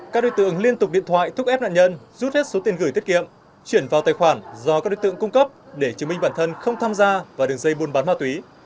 các đối tượng liên tục điện thoại thúc ép nạn nhân rút hết số tiền gửi tiết kiệm chuyển vào tài khoản do các đối tượng cung cấp để chứng minh bản thân không tham gia vào đường dây buôn bán ma túy